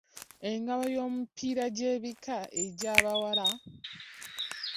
Engabo y'omu mipiira gy’ebika egya bawala.